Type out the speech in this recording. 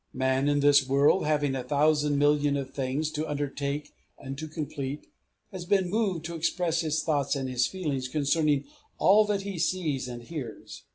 Man in this world, having a thousand millions of things to undertake and to complete, has been moved to express his thoughts and his feelings concerning all that he sees and hears.